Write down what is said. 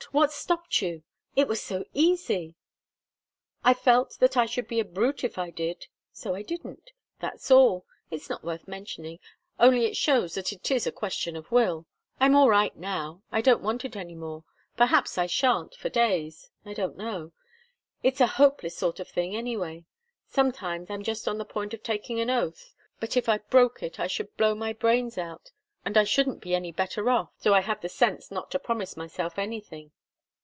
What stopped you? It was so easy!" "I felt that I should be a brute if I did so I didn't. That's all. It's not worth mentioning only it shows that it is a question of will. I'm all right now I don't want it any more. Perhaps I shan't, for days. I don't know. It's a hopeless sort of thing, anyway. Sometimes I'm just on the point of taking an oath. But if I broke it, I should blow my brains out, and I shouldn't be any better off. So I have the sense not to promise myself anything."